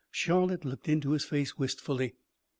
Charlotte looked into his face wistfully.